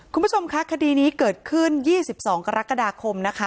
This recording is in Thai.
คุณผู้ชมคะคดีนี้เกิดขึ้น๒๒กรกฎาคมนะคะ